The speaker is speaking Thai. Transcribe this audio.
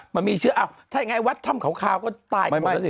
ถ้าอย่างงี้ไอ้วัดท่ำขาวก็ตายน้อยมากนะ